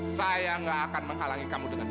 saya nggak akan menghalangi kamu dengan ini